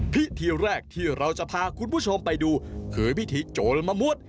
พิธีแรกที่เราจะพาคุณผู้ชมไปดูคือพิธีโจรมะมวด